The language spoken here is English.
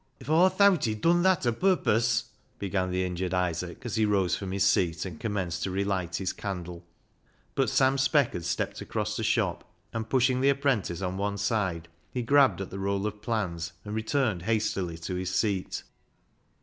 "If Aw thowt he'd done that o' pupuss" — began the injured Isaac, as he rose from his seat and commenced to relight his candle. But Sam Speck had stepped across the shop, and, pushing the apprentice on one side, he grabbed at the roll of plans, and returned hastily to his seat.